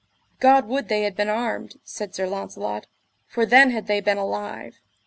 God would they had been armed, said Sir Launcelot, for then had they been alive.